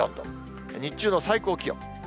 日中の最高気温。